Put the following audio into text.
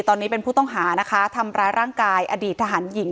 ตอนนี้เป็นผู้ต้องหานะคะทำร้ายร่างกายอดีตทหารหญิง